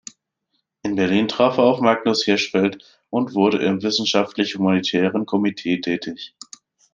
In Berlin traf er auf Magnus Hirschfeld und wurde im Wissenschaftlich-Humanitären Komitee tätig.